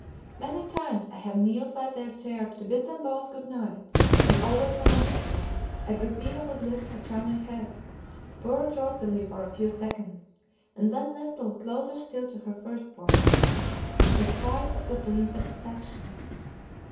Many times I have knelt by their chair to bid them both good night; and always when I did so, Agrippina would lift her charming head, purr drowsily for a few seconds, and then nestle closer still to her first born, with sighs of supreme satisfaction.